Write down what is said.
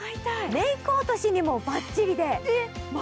メーク落としにもばっちりで。